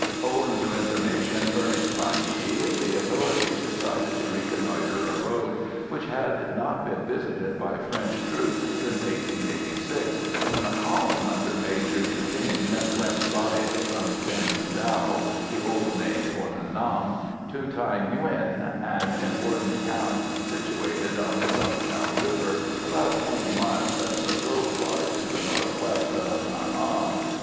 Owing to information furnished by Nghi, the authorities decided to reconnoitre a road which had not been visited by French troops since 1886, when a column, under Major Dugenne, went by it from Tin Dao (the old name for Nha Nam), to Thaï Nguyen, an important town situated on the Song Cau river, about 20 miles as the crow flies to the north west of Nha Nam.